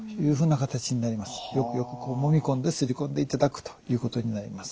よくよくもみ込んで擦り込んでいただくということになります。